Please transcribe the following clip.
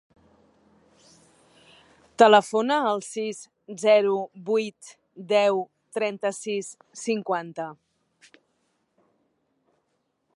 Telefona al sis, zero, vuit, deu, trenta-sis, cinquanta.